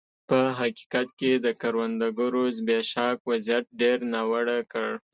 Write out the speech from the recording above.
په حقیقت کې د کروندګرو زبېښاک وضعیت ډېر ناوړه کړ.